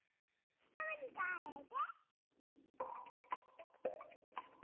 ひともじかえて。